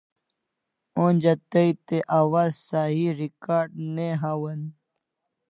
Onja tai te awaz Sahi recard ne hawan